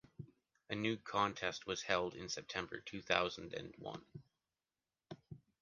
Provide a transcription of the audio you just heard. A new contest was held in September two-thousand and one.